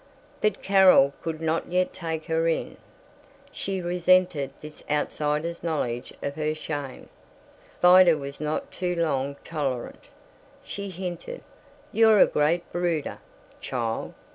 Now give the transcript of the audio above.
But Carol could not yet take her in. She resented this outsider's knowledge of her shame. Vida was not too long tolerant. She hinted, "You're a great brooder, child.